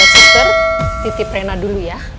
dokter titip rena dulu ya